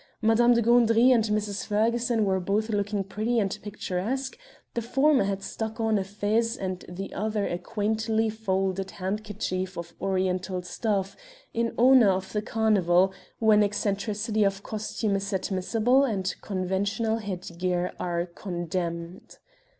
Madame de Gandry and Mrs. Ferguson were both looking pretty and picturesque; the former had stuck on a fez, and the other a quaintly folded handkerchief of oriental stuff, in honor of the carnival, when eccentricity of costume is admissible and conventional head gear are contemned.